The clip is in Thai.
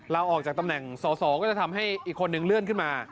เราออกจากตำแหน่งสอสอก็จะทำให้อีกคนนึงเลื่อนขึ้นมา